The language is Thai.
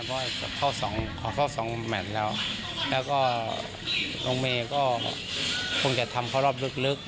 เพราะว่าเข้าสองขอเข้าสองแมทแล้วแล้วก็น้องเมย์ก็คงจะทำเข้ารอบลึก